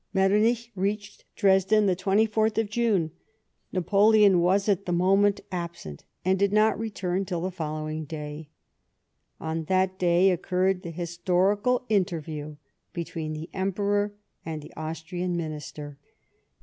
Metternicb reached Dresden the 24th June. Napoleon was, at the moment, absent, and did not return till the following day. On that day occurred the historical interview between the Emperor and the Austrian Minister.